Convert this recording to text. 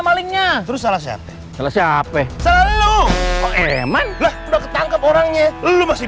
palingnya terus salah siapa siapa selalu emang udah ketangkep orangnya lu masih